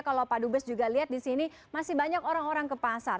kalau pak dubes juga lihat di sini masih banyak orang orang ke pasar